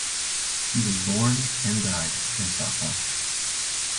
He was born, and died, in Stockholm.